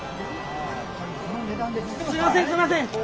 すいません！